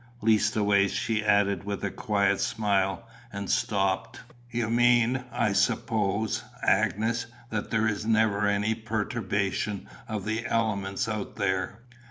Leastways," she added with a quiet smile, and stopped. "You mean, I suppose, Agnes, that there is never any perturbation of the elements out there?"